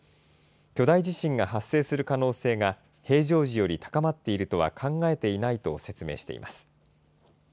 巨大地震が発生する可能性が平常時より高まっているとは考えていないと説明しています。